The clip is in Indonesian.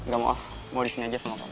gak mau ah mau disini aja sama kamu